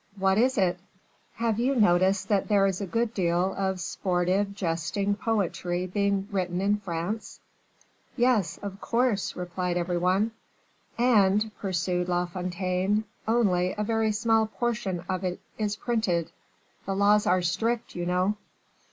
"What is it?" "Have you noticed that there is a good deal of sportive, jesting poetry written in France?" "Yes, of course," replied every one. "And," pursued La Fontaine, "only a very small portion of it is printed." "The laws are strict, you know."